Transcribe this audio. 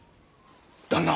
旦那！